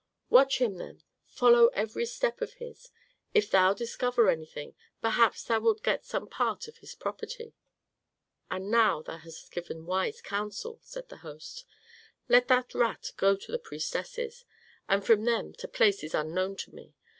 "Watch him, then; follow every step of his. If thou discover anything, perhaps thou wilt get some part of his property." "Oh, now thou hast given wise counsel," said the host. "Let that rat go to the priestesses, and from them to places unknown to me.